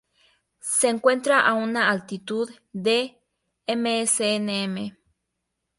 Se encuentra a una altitud de msnm.